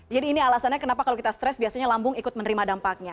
jadi ini alasannya kenapa kalau kita stres biasanya lambung ikut menerima dampaknya